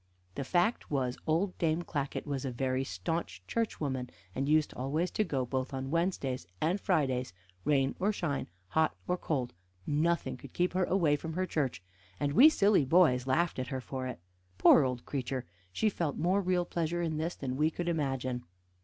The fact was old Dame Clackett was a very staunch churchwoman, and used always to go both on Wednesdays and Fridays, Rain or sunshine, hot or cold, nothing could keep her away from her church, and we silly boys laughed at her for it. Poor old creature! she felt more real pleasure in this than we could imagine.